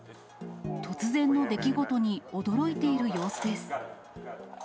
突然の出来事に驚いている様子です。